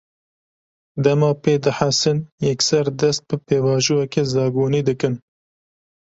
Dema pê dihesin, yekser dest bi pêvajoyeke zagonî dikin